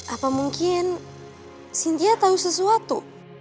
apa mungkin sintia tahu sesuatu